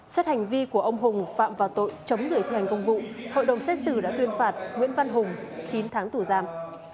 xét hành vi của ông hùng phạm vào tội chống người thi hành công vụ hội đồng xét xử đã tuyên phạt nguyễn văn hùng chín tháng tù giam